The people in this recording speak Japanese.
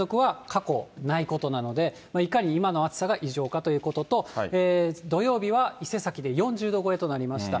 これ、６月として、３日連続は過去ないことなので、いかに今の暑さが異常かということと、土曜日は伊勢崎で４０度超えとなりました。